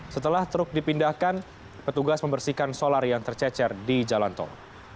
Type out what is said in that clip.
setelah truk dipindahkan petugas membersihkan solar yang tercecer di jalan tol